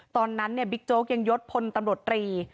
ตอนนั้นบิ๊กโจ๊กยังยดพลตำรวจตรี